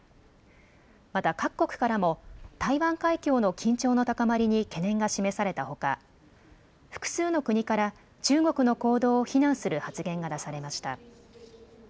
また各国からも台湾海峡の緊張の高まりに懸念が示されたほか複数の国から中国の行動を非難する発言が出されました。